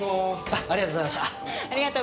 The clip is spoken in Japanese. ありがとうございます。